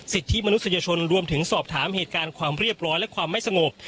สิทธิมนุษยชนรวมถึงสอบถามเหตุการณ์ความเรียบร้อยและความไม่สงบ